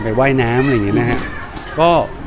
ว่ายน้ำอะไรอย่างนี้ไหมครับ